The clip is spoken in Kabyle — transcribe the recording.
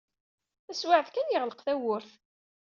Taswiɛt kan, yeɣleq tawwurt.